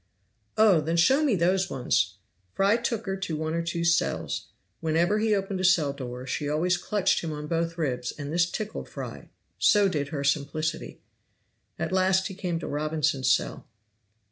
"Oh! then show me those ones." Fry took her to one or two cells. Whenever he opened a cell door she always clutched him on both ribs, and this tickled Fry, so did her simplicity. At last he came to Robinson's cell.